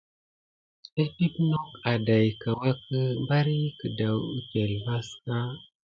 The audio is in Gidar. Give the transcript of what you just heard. Eppipe nok adaïka wake bari kedaou epəŋle vaka.